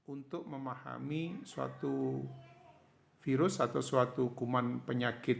untuk memahami suatu virus atau suatu hukuman penyakit